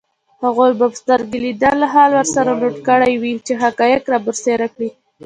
هغوی به سترګو لیدلی حال ورسره نوټ کړی وي چي حقایق رابرسېره کړي